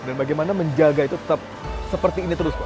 dan bagaimana menjaga itu tetap seperti ini terus pak